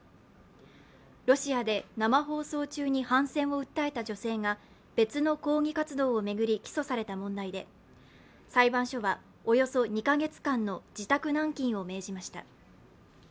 ロシアで生放送中に反戦を訴えた女性が別の抗議活動を巡り起訴された問題で裁判所は、およそ２カ月間の自宅軟禁を命じました。